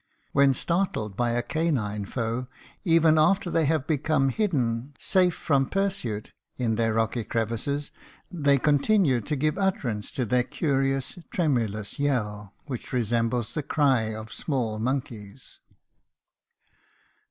When startled by a canine foe, even after they have become hidden, safe from pursuit, in their rocky crevices, they continue to give utterance to their curious, tremulous yell, which resembles the cry of small monkeys.